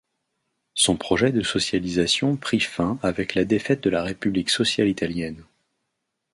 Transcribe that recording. Son projet de socialisation prit fin avec la défaite de la République sociale italienne.